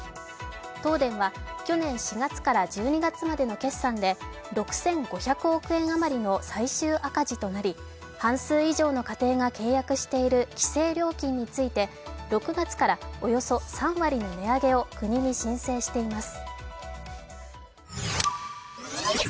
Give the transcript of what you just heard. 東電は去年４月から１２月までの決算で６５００億円あまりの最終赤字となり、半数以上の家庭が契約している規制料金について６月からおよそ３割の値上げを国に申請しています。